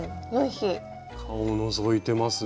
顔のぞいてますね。